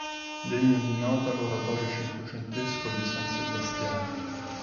Degno di nota l'oratorio cinquecentesco di San Sebastiano.